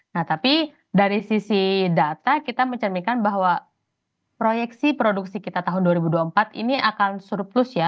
nah tapi dari sisi data kita mencerminkan bahwa proyeksi produksi kita tahun dua ribu dua puluh empat ini akan surplus ya